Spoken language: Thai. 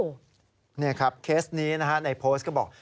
เข้านี้นะคะในโปสต์ก็บอก